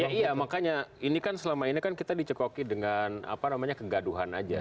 iya makanya ini kan selama ini kan kita dicekoki dengan apa namanya kegaduhan aja